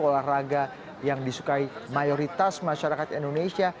olahraga yang disukai mayoritas masyarakat indonesia